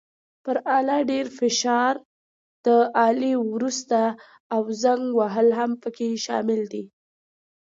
پر آله ډېر فشار، د آلې ورستېدل او زنګ وهل هم پکې شامل دي.